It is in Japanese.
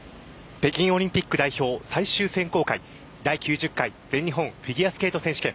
北京オリンピック代表最終選考会第９０回全日本フィギュアスケート選手権